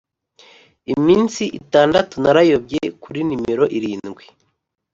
iminsi itandatu narayobye, - kuri nimero irindwi